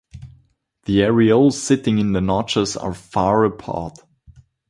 The areoles sitting in the notches are far apart.